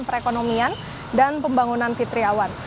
perekonomian dan pembangunan fitriawan